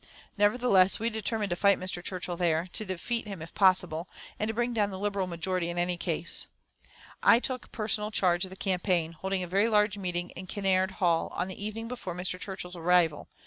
Nevertheless, we determined to fight Mr. Churchill there, to defeat him if possible, and to bring down the Liberal majority in any case. I took personal charge of the campaign, holding a very large meeting in Kinnaird Hall on the evening before Mr. Churchill's arrival.